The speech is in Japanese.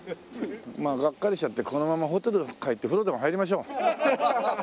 まあがっかりしちゃってこのままホテルに帰って風呂でも入りましょう。